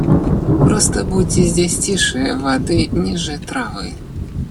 Просто будьте здесь тише воды, ниже травы.